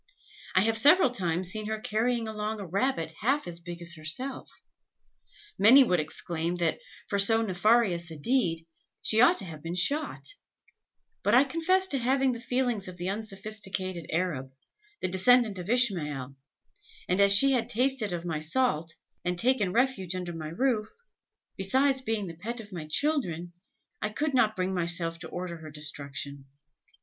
I have several times seen her carrying along a rabbit half as big as herself. Many would exclaim, that, for so nefarious a deed, she ought to have been shot; but I confess to having the feelings of the unsophisticated Arab, the descendant of Ishmael, and as she had tasted of my salt, and taken refuge under my roof, besides being the pet of my children, I could not bring myself to order her destruction.